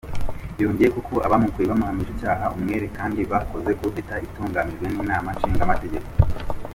Yongeye ko ko abamukuye bahamije icaha umwere, kandi bakoze kudeta itunganijwe n'inama nshingamateka.